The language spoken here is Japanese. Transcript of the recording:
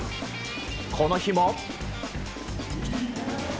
この日も。